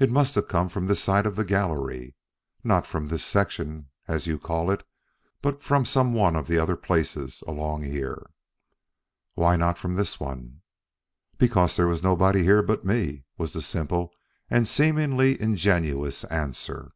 "It it must have come from this side of the gallery. Not from this section, as you call it, but from some one of the other open places along here." "Why not from this one?" "Because there was nobody here but me," was the simple and seemingly ingenuous answer.